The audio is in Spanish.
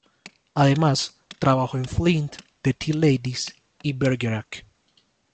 Además trabajó en "Flint", "The Tea Ladies" y "Bergerac".